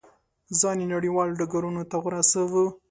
ځان یې نړیوالو ډګرونو ته ورساوه.